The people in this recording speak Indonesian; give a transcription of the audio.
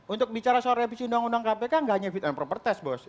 untuk bicara soal revisi undang undang kpk nggak hanya fit and proper test bos